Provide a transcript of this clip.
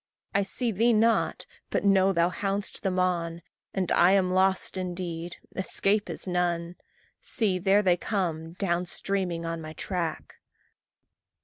I see thee not, but know thou hound'st them on, And I am lost indeed escape is none. See! there they come, down streaming on my track!